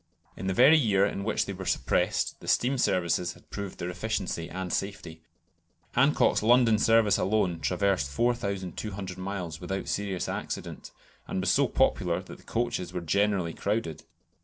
In the very year in which they were suppressed the steam services had proved their efficiency and safety. Hancock's London service alone traversed 4200 miles without serious accident, and was so popular that the coaches were generally crowded.